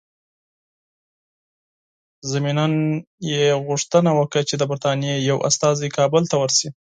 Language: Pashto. ضمناً یې غوښتنه وکړه چې د برټانیې یو استازی کابل ته ورسي.